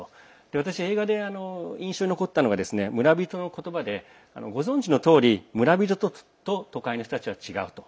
私、映画で印象に残ったのは村人の言葉で、ご存じのとおり村人と、都会の人たちは違う。